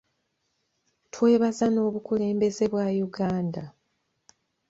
Twebaza n’Obukulembeze bwa Uganda.